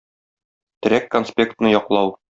Терәк конспектны яклау.